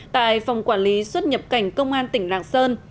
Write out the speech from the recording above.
tại phòng quản lý xuất nhập cảnh công an tỉnh lạng sơn